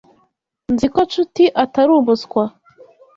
Nzi ko Nshuti atari umuswa.